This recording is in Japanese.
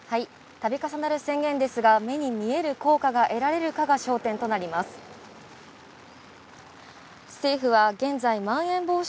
度重なる宣言ですが、目に見える効果が得られるかが焦点となります。